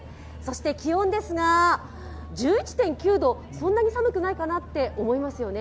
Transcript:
気温ですが、１１．９度、そんなに寒くないかなって思いますよね？